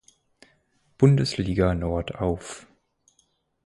Bundesliga-Nord auf.